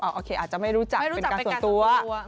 โอเคอาจจะไม่รู้จักเป็นการส่วนตัว